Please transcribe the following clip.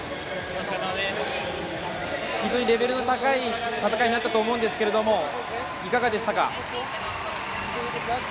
レベルの高い戦いになったと思うんですけどいかがでしたか？